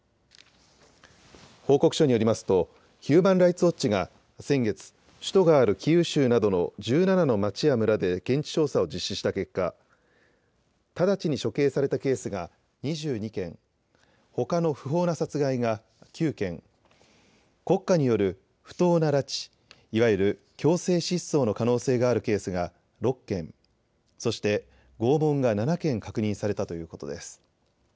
報告書によりますとヒューマン・ライツ・ウォッチが先月、首都があるキーウ州などの１７の町や村で現地調査を実施した結果、直ちに処刑されたケースが２２件、ほかの不法な殺害が９件、国家による不当な拉致、いわゆる強制失踪の可能性があるケースが６件、そして拷問が７件確認されたということです。